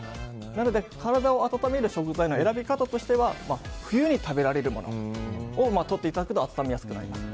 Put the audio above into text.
なので、体を温める食材の選び方としては冬に食べられるものをとっていただくと温めやすくなります。